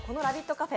カフェ